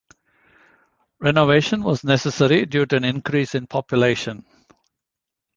Renovation was necessary due to an increase in population.